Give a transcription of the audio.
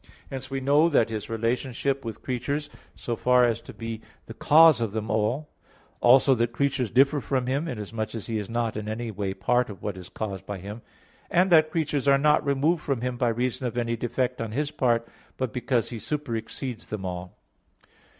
Hence we know that His relationship with creatures so far as to be the cause of them all; also that creatures differ from Him, inasmuch as He is not in any way part of what is caused by Him; and that creatures are not removed from Him by reason of any defect on His part, but because He superexceeds them all.